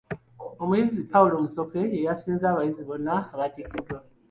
Omuyizi Paul Musoke y'eyasinze abayizi bonna abaatikkiddwa.